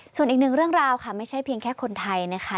ส่วนอีกหนึ่งเรื่องราวค่ะไม่ใช่เพียงแค่คนไทยนะคะ